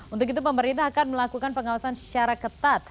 untuk itu pemerintah akan melakukan pengawasan secara ketat